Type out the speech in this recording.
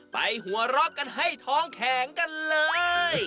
หัวเราะกันให้ท้องแข็งกันเลย